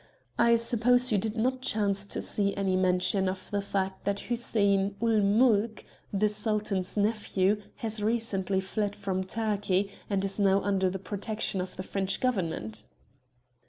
I suppose you did not chance to see any mention of the fact that Hussein ul Mulk, the Sultan's nephew, has recently fled from Turkey, and is now under the protection of the French Government?"